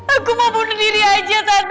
aku mau bunuh diri aja